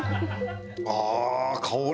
ああ香り